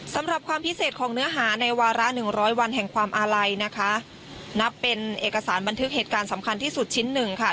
สำหรับความพิเศษของเนื้อหาในวาระหนึ่งร้อยวันแห่งความอาลัยนะคะนับเป็นเอกสารบันทึกเหตุการณ์สำคัญที่สุดชิ้นหนึ่งค่ะ